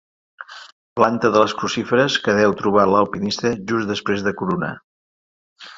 Planta de les crucíferes que deu trobar l'alpinista just després de coronar.